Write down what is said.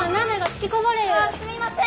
ああすみません！